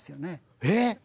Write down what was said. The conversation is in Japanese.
えっ！